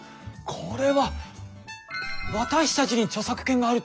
これは私たちに著作権があるってことですね！